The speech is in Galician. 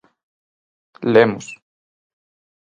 Lemos.